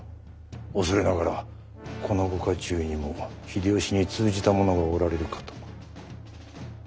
恐れながらこのご家中にも秀吉に通じた者がおられるかと。